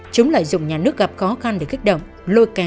chúng lại dùng nhà nước gặp khó khăn để kết thúc